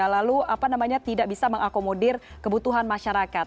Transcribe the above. lalu tidak bisa mengakomodir kebutuhan masyarakat